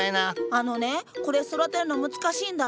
あのねこれ育てるの難しいんだって。